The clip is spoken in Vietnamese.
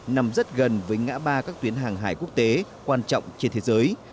nằm rất gần với ngã ba các tuyến hàng hải quốc tế quan trọng trên thế giới